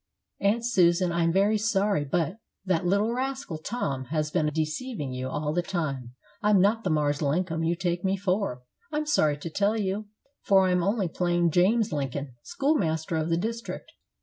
"Aunt Susan, I am very sorry; but that little rascal, Tom, has been deceiving you all the time. I'm not the 'Marse Linkum' you take me for, I'm sorry to tell you, for I am only plain James Lincoln, school master of the district.